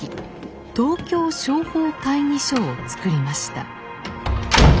東京商法会議所を作りました。